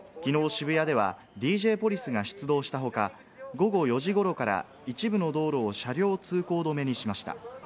渋谷ではＤＪポリスが出動した他、午後４時ごろから一部の道路を車両通行止めにしました。